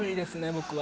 僕は。